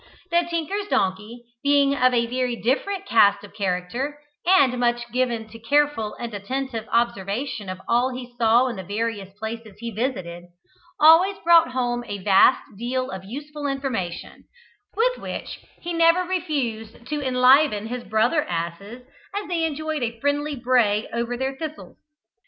The tinker's donkey, being of a very different cast of character, and much given to careful and attentive observation of all he saw in the various places he visited, always brought home a vast deal of useful information, with which he never refused to enliven his brother asses as they enjoyed a friendly bray over their thistles.